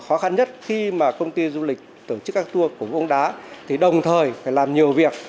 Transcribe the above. khó khăn nhất khi công ty du lịch tổ chức các tour của vũ đá thì đồng thời phải làm nhiều việc